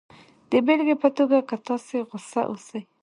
د بېلګې په توګه که تاسې غسه اوسئ